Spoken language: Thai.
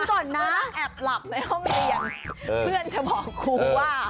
มันต้องแอบหลับในห้องนี้อย่างเพื่อนจะบอกครูว่า